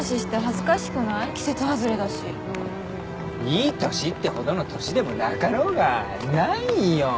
いい年ってほどの年でもなかろうが何言いよん。